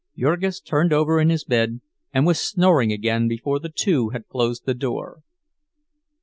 Jurgis turned over in his bed, and was snoring again before the two had closed the door.